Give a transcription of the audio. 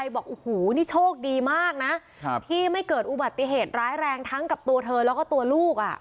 บอกโอ้โหนี่โชคดีมากนะที่ไม่เกิดอุบัติเหตุร้ายแรงทั้งกับตัวเธอแล้วก็ตัวลูก